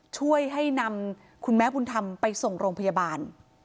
ช่วยให้นำคุณแม่บุญธรรมไปส่งโรงพยาบาล